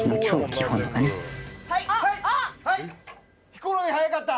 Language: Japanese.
ヒコロヒー早かった！